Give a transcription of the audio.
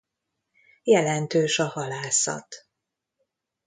Jelentős a halászat.